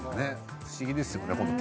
不思議ですよね